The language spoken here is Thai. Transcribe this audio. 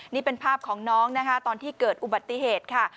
นี่เป็นภาพของน้องนะคะตอนที่เกิดอุบัติเหตุค่ะ